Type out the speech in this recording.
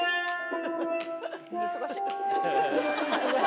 忙しい。